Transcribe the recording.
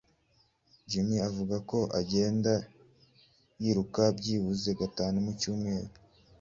Jim avuga ko agenda yiruka byibuze gatatu mu cyumweru.